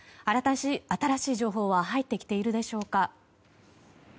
新しい情報は入ってきているでしょうか。